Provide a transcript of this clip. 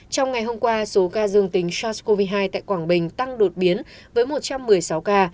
trong ngày hôm qua số ca dương tính sars cov hai tại quảng bình tăng đột biến với một trăm một mươi sáu ca